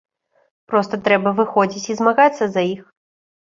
Проста трэба выходзіць і змагацца за іх.